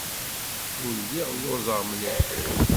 Ur lliɣ lluẓeɣ mliḥ.